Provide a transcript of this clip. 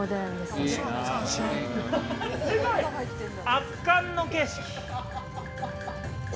圧巻の景色。